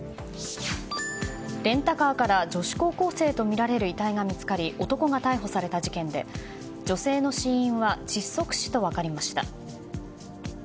レンタカーから女子高校生とみられる遺体が見つかり男が逮捕された事件で女性の死因は窒息死と分かりました。